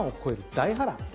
大波乱。